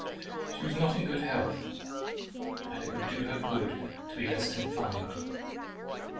She was not in good health, and it would do her good to be less confined.